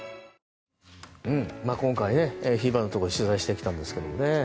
今回、ひーばのところ取材してきたんですけどね。